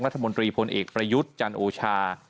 รัฐมนตรีพลเอกประยุทธ์จันทร์โอชา